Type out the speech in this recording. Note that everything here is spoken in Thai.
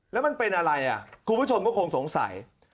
แล้วมันเป็นอะไรคุณผู้ชมก็คงสงสัย